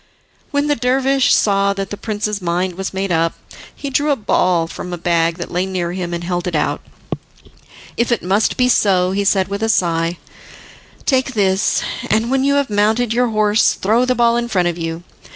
When the dervish saw that the prince's mind was made up, he drew a ball from a bag that lay near him, and held it out. "If it must be so," he said, with a sigh, "take this, and when you have mounted your horse throw the ball in front of you.